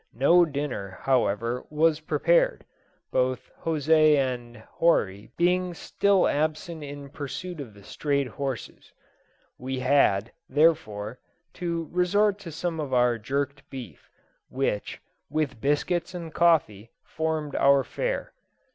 No dinner, however, was prepared, both José and Horry being still absent in pursuit of the strayed horses. We had, therefore, to resort to some of our jerked beef, which, with biscuits and coffee, formed our fare.